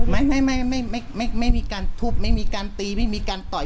ไม่ไม่ไม่มีการทุบไม่มีการตีไม่มีการต่อย